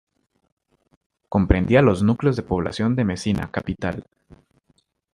Comprendía los núcleos de población de Mecina —capital.